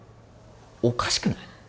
おかしくない？